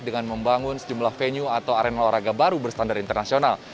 dengan membangun sejumlah venue atau arena olahraga baru berstandar internasional